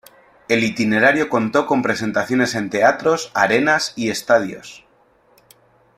El itinerario contó con presentaciones en teatros, arenas y estadios.